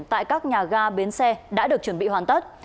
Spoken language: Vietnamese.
tại các nhà ga bến xe đã được chuẩn bị hoàn tất